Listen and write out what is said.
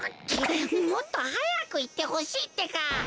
もっとはやくいってほしいってか！